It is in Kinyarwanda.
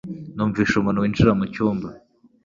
Numvise umuntu winjira mucyumba